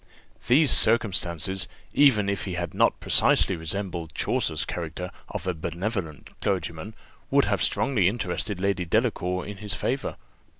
These circumstances, even if he had not precisely resembled Chaucer's character of a benevolent clergyman, would have strongly interested Lady Delacour in his favour.